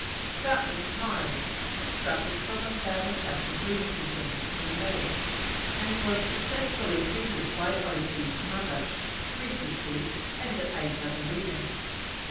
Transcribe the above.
About this time Cook suffered from a bad attack of rheumatism in the legs, and was successfully treated by Otoo's mother, three sisters, and eight other women.